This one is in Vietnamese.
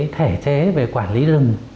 thể chế về quản lý rừng